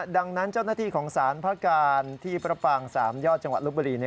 ดังนั้นเจ้าหน้าที่ของสารพระการที่พระปางสามยอดจังหวัดลบบุรี